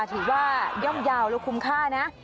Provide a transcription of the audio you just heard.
ถือว่าย่อมเยาว์และคุ้มค่านะ